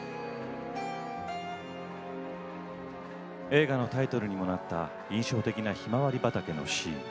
映画のタイトルにもなった印象的なひまわり畑のシーン。